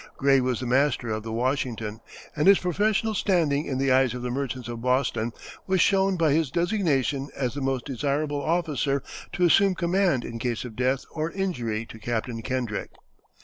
Gray was the master of the Washington, and his professional standing in the eyes of the merchants of Boston was shown by his designation as the most desirable officer to assume command in case of death or injury to Captain Kendrick.